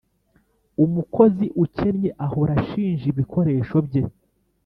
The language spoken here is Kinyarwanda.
umukozi ukennye ahora ashinja ibikoresho bye